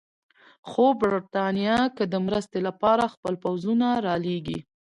خو برټانیه که د مرستې لپاره خپل پوځونه رالېږي.